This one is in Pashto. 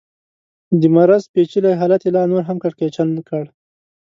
د مرض پېچلی حالت یې لا نور هم کړکېچن کړ.